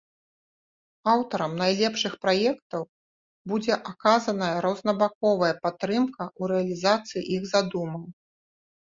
Аўтарам найлепшых праектаў будзе аказаная рознабаковая падтрымка ў рэалізацыі іх задумаў.